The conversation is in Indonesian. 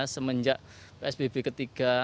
semenjak psbb ketiga